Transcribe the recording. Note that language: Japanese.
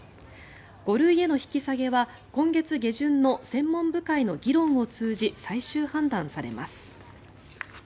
５類への引き下げは今月下旬の専門部会の議論を通じ最終判断されます。